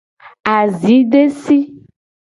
Azi desi.